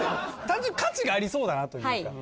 単純に価値がありそうだなというか。